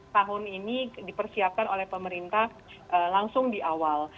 tahun ini dipersiapkan oleh pemerintah langsung di awal